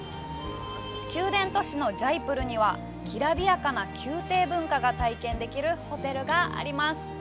宮殿都市のジャイプールにはきらびやかな宮廷文化が体験できるホテルがあります。